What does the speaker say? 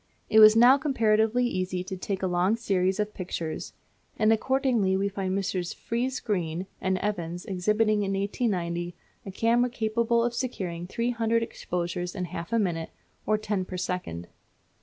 It was now comparatively easy to take a long series of pictures; and accordingly we find Messrs. Friese Greene and Evans exhibiting in 1890 a camera capable of securing three hundred exposures in half a minute, or ten per second.